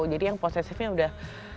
jadi yang posesifnya udah